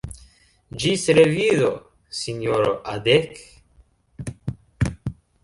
Ĝis revido, sinjoro Adek.